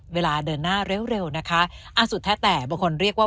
เวลาเดินหน้าเร็วนะคะสุดแท้แต่บางคนเรียกว่า